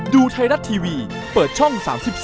ดูไทยรัฐทีวีเปิดช่อง๓๒